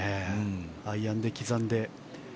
アイアンで刻んで。